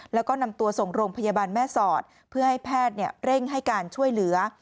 แล้วก็นำตัวส่งโรงพยาบาลแม่สอดเพื่อให้แพทย์เร่งให้การช่วยเหลือ